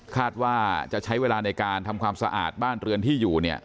คาดว่าจะใช้เวลาในการทำความสะอาดบ้านเรือนที่อยู่